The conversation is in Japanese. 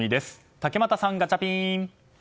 竹俣さん、ガチャピン。